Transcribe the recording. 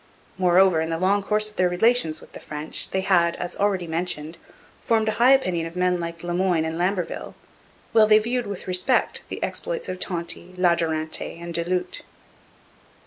Moreover, in the long course o their relations with the French they had, as already mentioned, formed a high opinion of men like Le Moyne and Lamberville, while they viewed with respect the exploits of Tonty, La Durantaye, and Du Lhut.